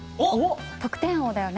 得点王だよね？